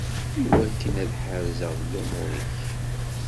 Iwakken ad ḥerzeɣ lumuṛ-ik.